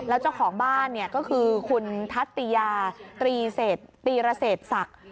แล้วเจ้าของบ้านเนี่ยก็คือคุณทัศยาตรีระเศษศักดิ์